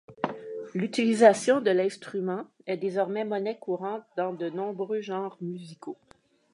L'utilisation de l'instrument est désormais monnaie courante dans de nombreux genres musicaux.